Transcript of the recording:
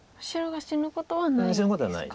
死ぬことはないです。